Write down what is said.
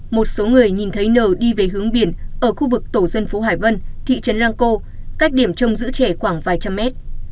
một số người nhìn thấy nờ đi về hướng biển ở khu vực tổ dân phố hải vân thị trấn lăng cô cách điểm trông giữ trẻ khoảng vài trăm mét